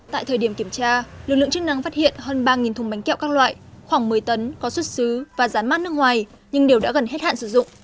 tại thời điểm kiểm tra lực lượng chức năng phát hiện hơn ba thùng bánh kẹo các loại khoảng một mươi tấn có xuất xứ và dán mát nước ngoài nhưng đều đã gần hết hạn sử dụng